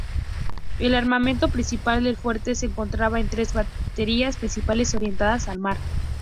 El armamento principal del fuerte se encontraba en tres baterías principales orientadas al mar.